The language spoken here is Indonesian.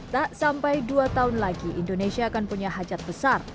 tak sampai dua tahun lagi indonesia akan punya hajat besar